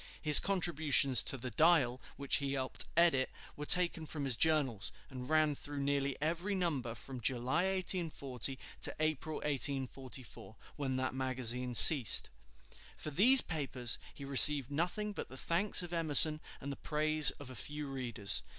His contributions to the "Dial," which he helped edit, were taken from his journals, and ran through nearly every number from July, 1840, to April, 1844, when that magazine ceased. For these papers he received nothing but the thanks of Emerson and the praise of a few readers.